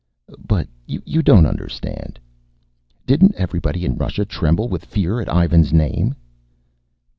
"But you don't understand." "Didn't everybody in Russia tremble with fear at Ivan's name?"